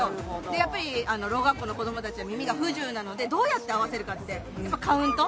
やっぱりろう学校の子どもたちは耳が不自由なので、どうやって合わせるかって、やっぱカウント。